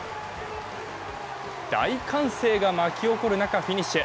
大歓声が巻き起こる中、フィニッシュ。